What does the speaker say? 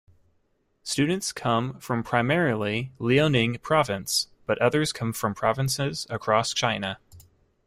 Students come from primarily Liaoning Province, but others come from provinces across China.